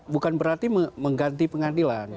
bukan berarti mengganti pengadilan